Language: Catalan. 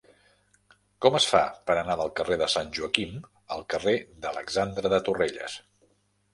Com es fa per anar del carrer de Sant Joaquim al carrer d'Alexandre de Torrelles?